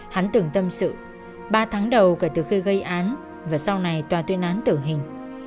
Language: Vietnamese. hắn từng tâm sự ba tháng đầu kể từ khi gây án và sau này tòa tuyên án tử hình